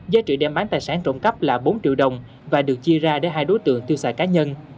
giá trị đem bán tài sản trộm cắp là bốn triệu đồng và được chia ra để hai đối tượng tiêu xài cá nhân